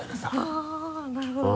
あぁなるほど。